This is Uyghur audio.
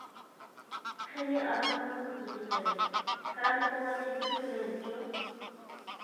قېنى ئارماننىڭ قىز-يىگىتلىرى، كارامىتىڭلارنى بىر كۆرەيلىچۇ؟ !